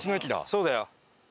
そうだよ。